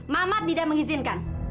mama tidak mengizinkan